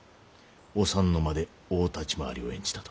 お三の間で大立ち回りを演じたと。